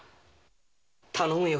頼むよ。